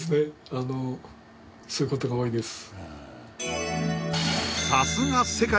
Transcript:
あのそういうことが多いです